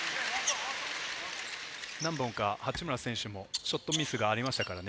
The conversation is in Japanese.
何本か八村選手もショットミスがありましたからね。